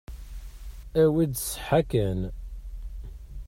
Awi-d ṣṣeḥḥa kan.